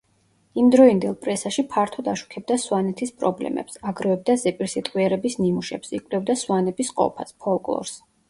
იმდროინდელ პრესაში ფართოდ აშუქებდა სვანეთის პრობლემებს; აგროვებდა ზეპირსიტყვიერების ნიმუშებს; იკვლევდა სვანების ყოფას, ფოლკლორს.